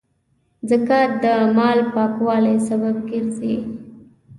زکات د مال پاکوالي سبب ګرځي.